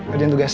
ada yang tugas